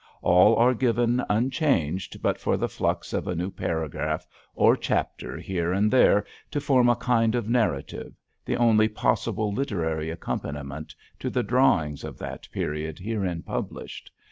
All are given unchanged but for the flux of a new paragraph or chapter here and there to form a kind of narrative, the only possible literary accompaniment to the drawings of that period herein published.